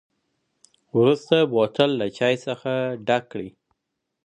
وروسته بوتل له چای څخه ډک کړئ.